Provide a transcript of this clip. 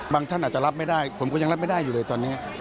ท่านอาจจะรับไม่ได้ผมก็ยังรับไม่ได้อยู่เลยตอนนี้